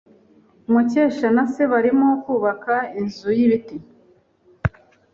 Mukesha na se barimo kubaka inzu y'ibiti.